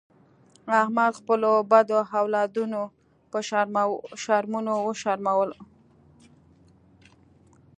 احمد خپلو بدو اولادونو په شرمونو و شرمولو.